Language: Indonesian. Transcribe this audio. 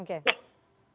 ini kerja loh